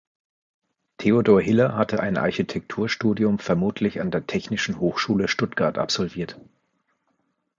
Theodor Hiller hatte ein Architekturstudium vermutlich an der Technischen Hochschule Stuttgart absolviert.